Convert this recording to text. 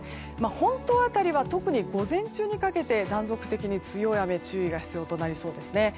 本島辺りは特に午前中にかけて断続的に強い雨に注意が必要となりそうですね。